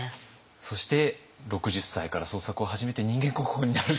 そして６０歳から創作を始めて人間国宝になる。